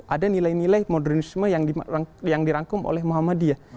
ada nilai nilai modernisme yang dirangkum oleh muhammadiyah